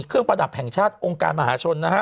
ประดับแห่งชาติองค์การมหาชนนะฮะ